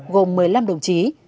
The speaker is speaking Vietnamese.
gồm một mươi năm đồng chí